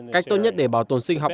cách tốt nhất để bảo tồn sinh học